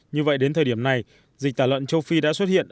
như vậy đến thời điểm này dịch tả lợn châu phi đã xuất hiện